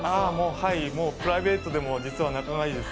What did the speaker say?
プライベートでも実は仲がいいです。